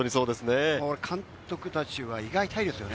監督たちは胃が痛いですよね。